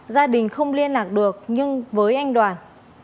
gia đình không liên lạc được nhưng với anh đoàn